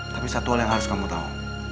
tapi satu hal yang harus kamu tahu